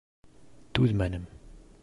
Түҙмәнем!